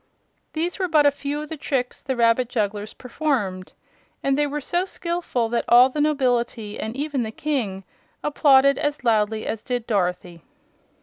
These were but a few of the tricks the rabbit jugglers performed, and they were so skillful that all the nobility and even the King applauded as loudly as did Dorothy.